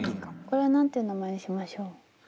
これ何ていう名前にしましょう？